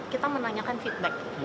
kita menanyakan feedback